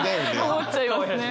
思っちゃいますね。